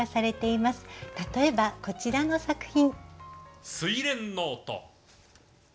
例えばこちらの作品。